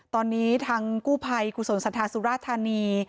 ตอนนี้ทางกู้ไพรกุศลสันธาสุรธานี